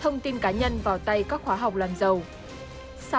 rất nhiều việc đấy các bạn nha